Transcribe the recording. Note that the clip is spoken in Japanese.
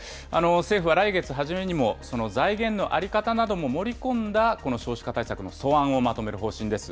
政府は来月初めにもその財源の在り方なども盛り込んだこの少子化対策の素案をまとめる方針です。